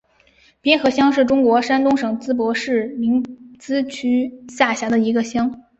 边河乡是中国山东省淄博市临淄区下辖的一个乡。